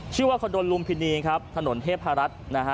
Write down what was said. คอนโดลุมพินีครับถนนเทพรัฐนะฮะ